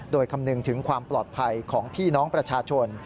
โดยคำนึงถึงความปลอดภัยของพี่น้องประชาชน